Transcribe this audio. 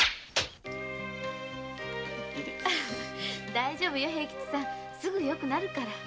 大丈夫よ平吉さんすぐよくなるから。